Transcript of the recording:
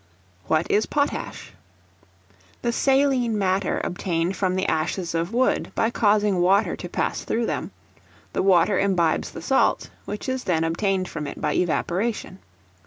What is Potash? The saline matter obtained from the ashes of wood, by causing water to pass through them; the water imbibes the salt, which is then obtained from it by evaporation.